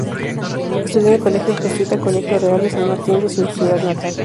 Estudió en el colegio jesuita Colegio Real de San Martín de su ciudad natal.